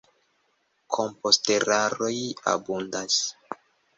Komposteraroj abundas.